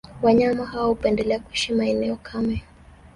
Wanyama hawa hupendelea kuishi maeneo kame